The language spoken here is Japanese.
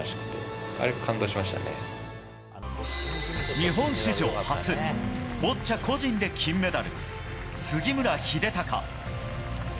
日本史上初ボッチャ個人で金メダル杉村英孝。